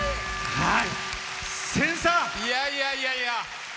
はい。